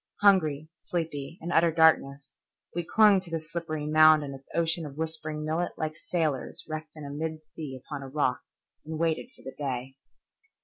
Hungry, sleepy, in utter darkness, we clung to this slippery mound in its ocean of whispering millet like sailors wrecked in mid sea upon a rock, and waited for the day.